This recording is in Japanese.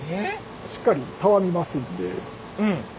しっかりたわみますんで。